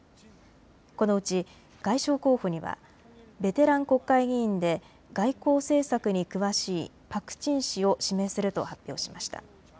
このうち、外相候補にはベテラン国会議員で外交政策に詳しいパク・チン氏を指名すると発表しました。